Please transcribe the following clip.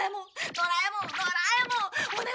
ドラえもんドラえもんお願いお願い！